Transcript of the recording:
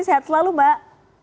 sehat selalu mbak